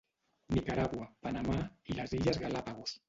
Nicaragua, Panamà i les illes Galápagos.